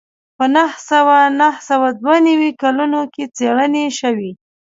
په نهه سوه نهه سوه دوه نوي کلونو کې څېړنې شوې